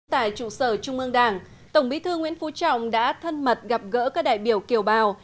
tại trụ sở trung ương đảng tổng bí thư nguyễn phú trọng đã thân mật gặp gỡ các đại biểu kiều bào